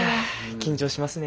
緊張しますね。